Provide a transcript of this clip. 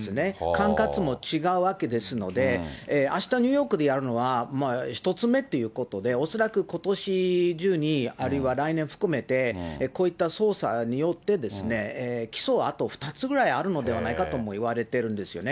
管轄も違うわけですので、あした、ニューヨークでやるのは、１つ目っていうことで、恐らくことし中に、あるいは来年含めて、こういった捜査によってですね、起訴はあと２つぐらいあるのではないかともいわれてるんですよね。